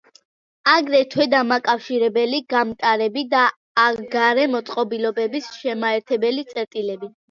აგრეთვე დამაკავშირებელი გამტარები და გარე მოწყობილობების შემაერთებელი წერტილები.